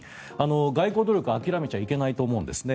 外交努力は諦めちゃいけないと思うんですね。